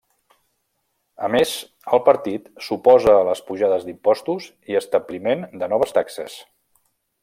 A més el partit s'oposa a les pujades d'impostos i establiment de noves taxes.